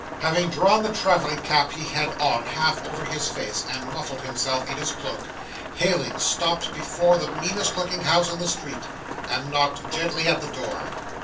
'Having drawn the travelling cap he had on half over his face, and muffled himself in his cloak, Heyling stopped before the meanest looking house in the street, and knocked gently at the door.